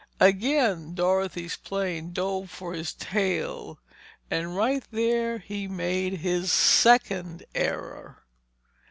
Again Dorothy's plane dove for his tail and right there he made his second error.